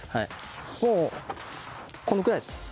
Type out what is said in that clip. もうこのくらいですね。